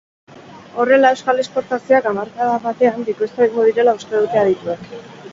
Horrela, euskal esportazioak hamarkada batean bikoiztu egingo direla uste dute adituek.